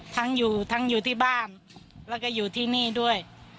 ทั้งอยู่ที่บ้านและก็อยู่ที่นี่ด้วย